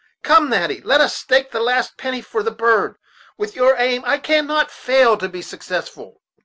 Come, Natty, let us stake the last penny for the bird; with your aim, it cannot fail to be successful."